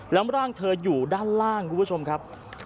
แล้วร่างเธออยู่ด้านล่างคุณผู้ชมครับ